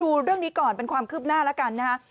ดูเรื่องนี้ก่อนเป็นความคืบหน้าแล้วกันนะฮะ